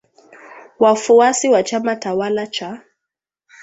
wafuasi wa chama tawala cha